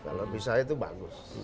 kalau bisa itu bagus